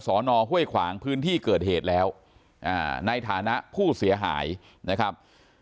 สอนอห้วยขวางพื้นที่เกิดเหตุแล้วในฐานะผู้เสียหายนะครับ